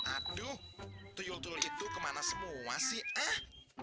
aduh tuyul tuyul itu kemana semua sih eh